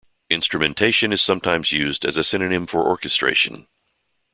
Instrumentation is sometimes used as a synonym for orchestration.